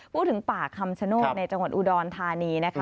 พูดถึงป่าคำชโนธในจังหวัดอุดรธานีนะคะ